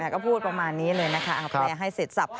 ก็พูดประมาณนี้เลยนะคะให้เสร็จทรัพย์